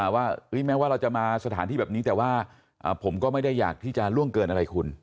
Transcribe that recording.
ว่าแม้ว่าเราจะมาสถานที่แบบนี้แต่ว่าผมก็ไม่ได้อยากที่จะล่วงเกินอะไรคุณ